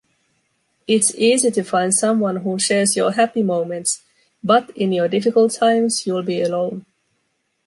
It’s easy to find someone who shares your happy moments but in your difficult times you’ll be alone.